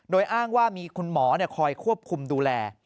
โดยอ้างว่ามีคุณหมอคอยควบคุมดูแล